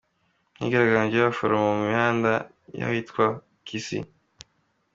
Imyigaragambyo y’ abaforomo mu mihanda y’ ahitwa Kisii .